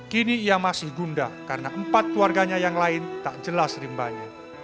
kini ia masih gundah karena empat keluarganya yang lain tak jelas rimbanya